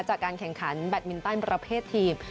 จากการแข่งขันแบตมินตันประเภททีม